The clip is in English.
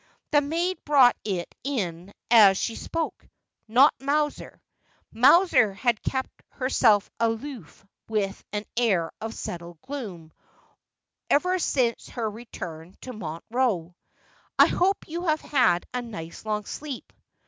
The maid brought it in as she spoke ; not Mowser ; Mowser had kept herself aloof with an air of settled gloom, ever since her return to Montreux. ' I hope you have had a nice long sleep.'